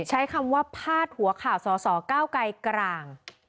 ใช้คำว่าพาดหัวข่าวสสเก้าไกรกลาง